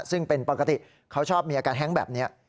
ซึ่งเป็นปกติเขาชอบมีอาการแฮ้งแบบนี้